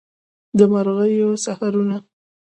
د مرغیو سحرونه